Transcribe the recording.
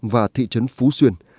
và thị trấn phú xuyên